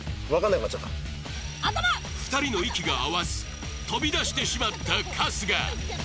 ２人の息が合わず飛び出してしまった春日